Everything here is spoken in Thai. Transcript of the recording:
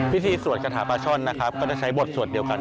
วิธีสวดคาถาพระช่อนก็จะใช้บทสวดเดียวกัน